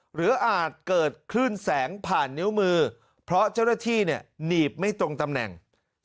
อาจเกิดคลื่นแสงผ่านนิ้วมือเพราะเจ้าหน้าที่เนี่ยหนีบไม่ตรงตำแหน่ง